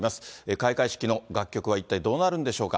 開会式の楽曲は一体どうなるんでしょうか。